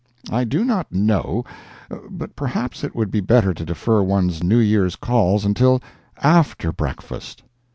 I do not know, but perhaps it would be better to defer one's New Year's calls until after breakfast.